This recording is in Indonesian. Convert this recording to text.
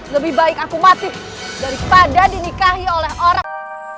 lebih baik aku mati daripada dinikahi oleh orang